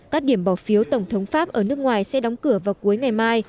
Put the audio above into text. các điểm bỏ phiếu tổng thống pháp ở nước ngoài sẽ đóng cửa vào cuối ngày mai